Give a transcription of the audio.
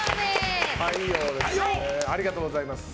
ありがとうございます。